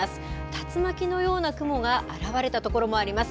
竜巻のような雲が現れた所もあります。